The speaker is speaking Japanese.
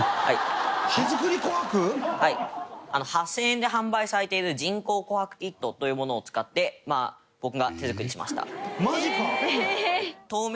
８０００円で販売されている人工琥珀キットというものを使って僕が手作りしました。